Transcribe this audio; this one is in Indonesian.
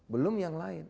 belum yang lain